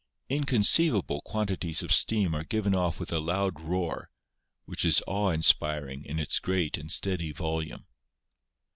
Inconceivable quantities of steam are given off with a loud roar, which is awe inspiring in its great and steady volume.